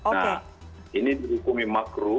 nah ini dihukumi makro